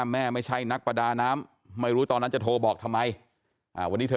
ไม่ใช่นักประดาน้ำไม่รู้ตอนนั้นจะโทรบอกทำไมวันนี้เธอ